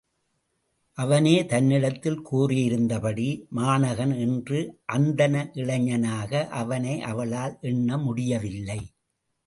அவனே தன்னிடத்தில் கூறியிருந்தபடி மாணகன் என்ற அந்தண இளைஞனாக அவனை அவளால் எண்ண முடியவில்லை.